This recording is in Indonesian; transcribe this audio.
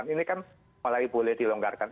ini kan mulai boleh dilonggarkan